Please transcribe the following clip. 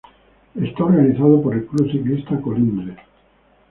Está organizado por el Club Ciclista Colindres.